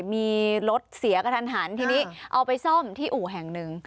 มีรถเสียกระทันหันทีนี้เอาไปซ่อมที่อู่แห่งหนึ่ง